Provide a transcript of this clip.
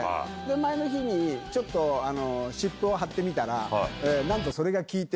前の日にちょっと、湿布を貼ってみたら、なんと、それが効いて。